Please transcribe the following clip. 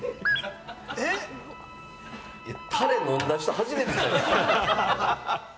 タレ飲んだ人、初めてじゃないですか？